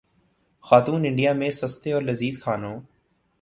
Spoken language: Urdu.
خاتون انڈیا میں سستے اور لذیذ کھانوں